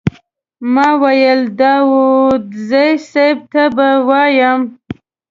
ما ویل داوودزي صیب ته به ووایم.